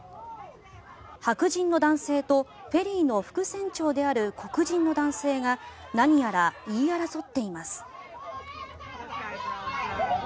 白人の男性とフェリーの副船長である黒人の男性が何やら言い争っています。